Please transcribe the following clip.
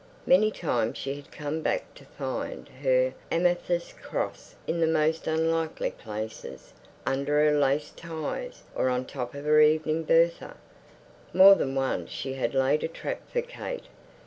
Many times she had come back to find her amethyst cross in the most unlikely places, under her lace ties or on top of her evening Bertha. More than once she had laid a trap for Kate.